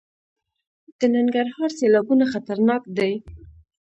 د ننګرهار سیلابونه خطرناک دي